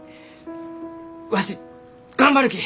わし頑張るき！